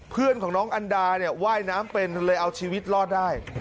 เพื่อนของน้องอันดาเนี่ยว่ายน้ำเป็นเลยเอาชีวิตรอดได้